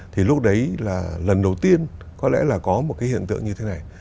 thì lúc đấy là lần đầu tiên có lẽ là có một cái hiện tượng như thế này